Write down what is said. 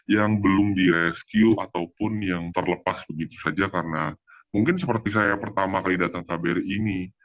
yang belum di rescue ataupun yang terlepas begitu saja karena mungkin seperti saya pertama kali datang kbri ini